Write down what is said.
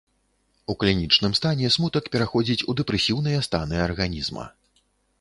У клінічным стане смутак пераходзіць у дэпрэсіўныя станы арганізма.